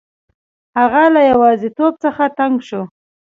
هغه له یوازیتوب څخه تنګ شو.